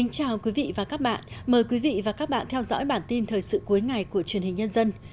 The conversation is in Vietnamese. chào mừng quý vị đến với bản tin thời sự cuối ngày của truyền hình nhân dân